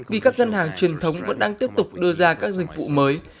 vì các ngân hàng truyền thống vẫn đang tiếp tục đưa ra các dịch vụ mới